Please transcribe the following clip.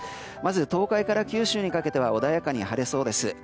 まず東海から九州にかけて穏やかに晴れそうです。